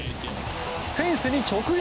フェンスに直撃。